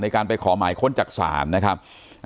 การไปขอหมายค้นจากศาลนะครับ